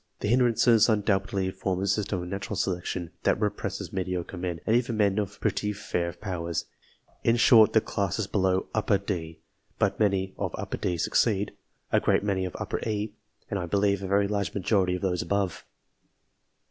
The hindrances undoubtedly form a system of natural selection that represses mediocre men, and even men of pretty fair powers in short, the classes below D ; but many of D succeed, a great many of E, and I believe a very large majority of those above.